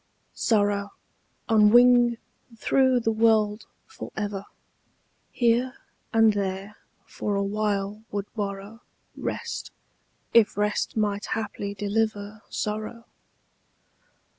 SORROW, on wing through the world for ever, Here and there for awhile would borrow Rest, if rest might haply deliver Sorrow.